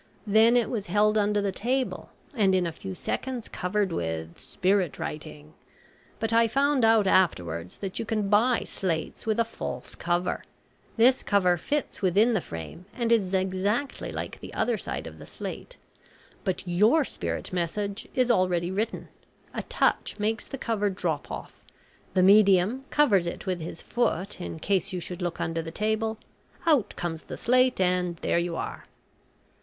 Then it was held under the table, and in a few seconds covered with `spirit writing.' But I found out afterwards that you can buy slates with a false cover, this cover fits within the frame and is exactly like the other side of the slate, but, your spirit message is already written, a touch makes the cover drop off, the medium covers it with his foot in case you should look under the table, out comes the slate, and there you are!"